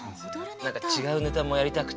何かちがうネタもやりたくて。